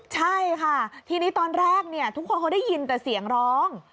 ใช่ค่ะทีนี้ตอนแรกทุกคนเขาได้ยินแต่เสียงร้อง